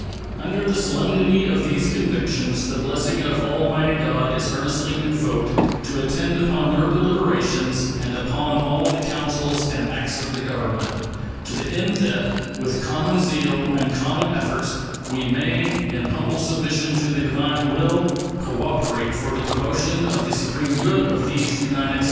Under the solemnity of these convictions the blessing of Almighty God is earnestly invoked to attend upon your deliberations and upon all the counsels and acts of the Government, to the end that, with common zeal and common efforts, we may, in humble submission to the divine will, cooperate for the promotion of the supreme good of these United States.